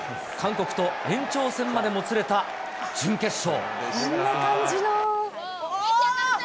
韓国と延長戦までもつれた準決勝。